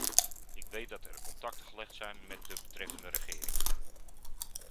Ik weet dat er contacten gelegd zijn met de betreffende regering.